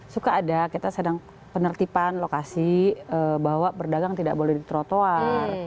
suka ada kita sedang penertiban lokasi bahwa berdagang tidak boleh di trotoar